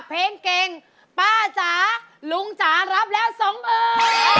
เพลงเก่งป้าจ๋าลุงจ๋ารับแล้วสองหมื่น